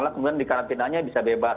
kemudian di karantinanya bisa bebas